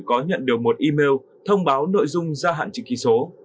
có nhận được một email thông báo nội dung gia hạn chữ ký số